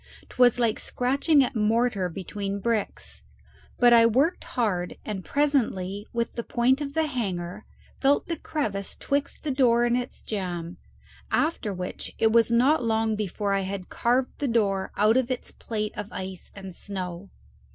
'Twas like scratching at mortar between bricks. But I worked hard, and presently, with the point of the hanger, felt the crevice 'twixt the door and its jamb, after which it was not long before I had carved the door out of its plate of ice and snow.